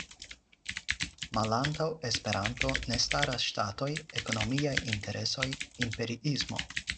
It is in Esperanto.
Malantaŭ Esperanto ne staras ŝtatoj, ekonomiaj interesoj, imperiismo.